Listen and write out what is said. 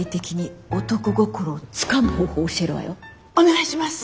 お願いします。